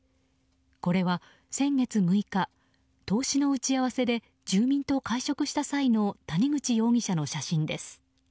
これは、先月６日投資の打ち合わせで住民と会食した際の谷口容疑者の写真です。